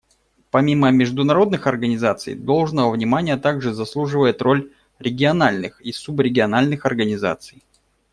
Помимо международных организаций, должного внимания также заслуживает роль региональных и субрегиональных организаций.